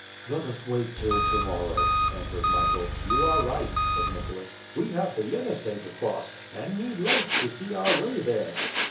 "Let us wait till to morrow," answered Michael. "You are right," said Nicholas. "We have the Yenisei to cross, and need light to see our way there!"